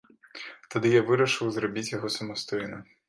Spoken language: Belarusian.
Тады я вырашыў зрабіць яго самастойна.